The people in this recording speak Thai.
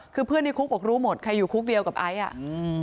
คือเพื่อนในคุกบอกรู้หมดใครอยู่คุกเดียวกับไอซ์อ่ะอืม